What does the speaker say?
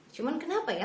cuman kenapa ya